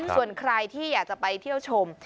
ส่วนใครที่อยากจะไปเที่ยวชม